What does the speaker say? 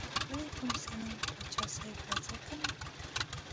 وعلیکم السلام پاچا صاحب راځه کنه.